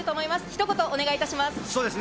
ひと言お願いします。